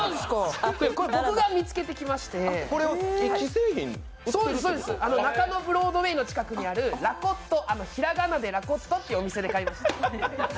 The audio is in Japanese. これ、僕が見つけてきまして中野ブロードウェーの近くにあるひらがなで「らこっと」っていうお店で買いました。